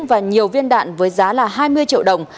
và nhiều viên đạn với giá là hai mươi triệu đồng